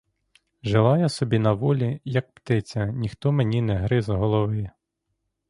Жила я собі на волі, як птиця, ніхто мені не гриз голови.